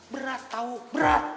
berat tahu berat